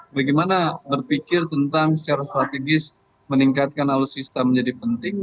bagaimana berpikir tentang secara strategis meningkatkan alutsista menjadi penting